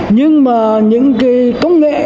nhưng mà những công nghệ